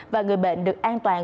và người bệnh được an toàn